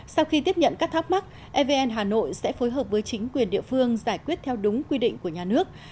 sau khi tiếp nhận các thắc mắc evn hà nội sẽ phối hợp với chính quyền địa phương giải quyết theo đúng quy định của nhà nước